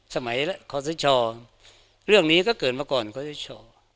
สมัยสมัยนั้นขอเศรษฐ์ช่อเรื่องนี้ก็เกิดมาก่อนขอเศรษฐ์ช่อ